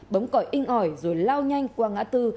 bấm cỏi in ỏi rồi lao nhanh qua ngã tư